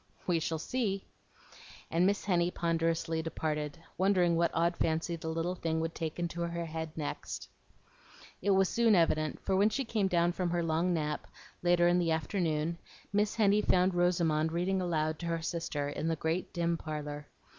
"We shall see;" and Miss Henny ponderously departed, wondering what odd fancy the little thing would take into her head next. It was soon evident; for when she came down from her long nap, later in the afternoon, Miss Henny found Rosamond reading aloud to her sister in the great dim parlor.